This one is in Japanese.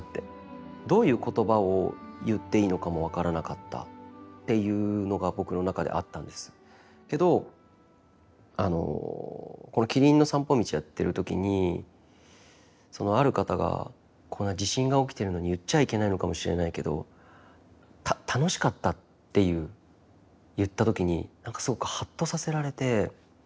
どういう言葉を言っていいのかも分からなかったっていうのが僕の中であったんですけどあのこの「キリンの散歩道」やってる時にある方がこんな地震が起きてるのに言っちゃいけないのかもしれないけど楽しかったっていう言った時に何かすごくハッとさせられて。